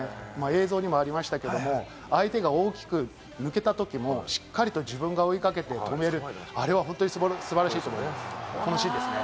映像にもありましたけれど、相手が大きく抜けたときも、しっかりと自分が追いかけて取れる、あれは本当に素晴らしいと思います。